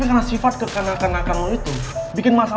ini cowo padahal gak tau malu apa yang bernia sama cewek